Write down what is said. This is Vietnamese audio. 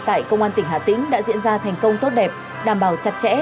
tại công an tỉnh hà tĩnh đã diễn ra thành công tốt đẹp đảm bảo chặt chẽ